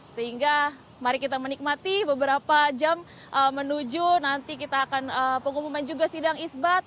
sehingga mari kita menikmati beberapa jam menuju nanti kita akan pengumuman juga sidang isbat